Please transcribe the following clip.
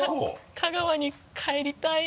香川に帰りたい。